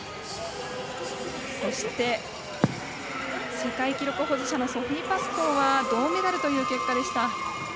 そして世界記録保持者のソフィー・パスコーは銅メダルという結果でした。